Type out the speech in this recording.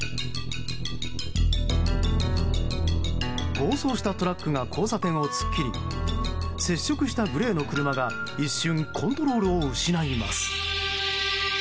暴走したトラックが交差点を突っ切り接触したグレーの車が一瞬コントロールを失います。